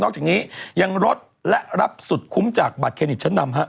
จากนี้ยังลดและรับสุดคุ้มจากบัตรเครดิตชั้นนำฮะ